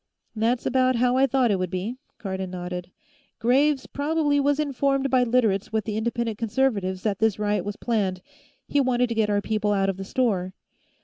"That's about how I thought it would be," Cardon nodded. "Graves probably was informed by Literates with the Independent Conservatives that this riot was planned; he wanted to get our people out of the store.